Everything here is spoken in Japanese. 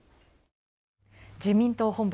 自民党本部